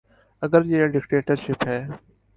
اگر یہ ڈکٹیٹرشپ ہے۔